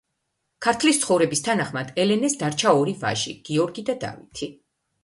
ქართლის ცხოვრების თანახმად, ელენეს დარჩა ორი ვაჟი, გიორგი და დავითი.